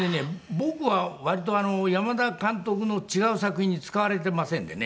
僕は割と山田監督の違う作品に使われていませんでね。